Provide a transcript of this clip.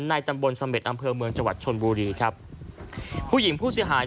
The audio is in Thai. ตำบลเสม็ดอำเภอเมืองจังหวัดชนบุรีครับผู้หญิงผู้เสียหาย